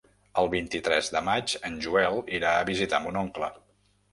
El vint-i-tres de maig en Joel irà a visitar mon oncle.